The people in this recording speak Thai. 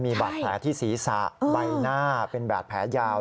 มีบาดแผลที่ศีรษะใบหน้าเป็นบาดแผลยาว